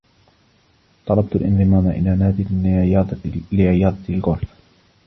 طلبَت الانضمام إلى نادى لرياضة الغولف.